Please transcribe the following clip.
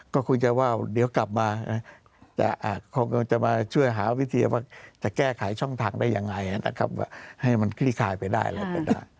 ก็คงจะว่าเดี๋ยวกลับมาจะมาช่วยหาวิธีว่าจะแก้ไขช่องทางได้อย่างไรให้มันคลิขายไปได้แล้ว